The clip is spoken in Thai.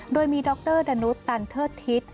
โดยมีดรดานุษตันเทิดทิศ